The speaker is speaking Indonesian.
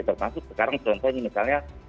termasuk sekarang contohnya misalnya